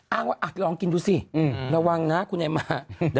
อ้างว่าลองกินดูสิระวังนะคุณไอ้มา